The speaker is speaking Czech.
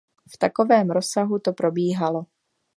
V takovém rozsahu to probíhalo.